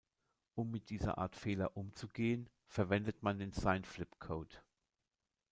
Um mit dieser Art Fehler umzugehen, verwendet man den Sign Flip Code.